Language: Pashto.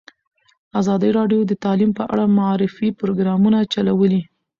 ازادي راډیو د تعلیم په اړه د معارفې پروګرامونه چلولي.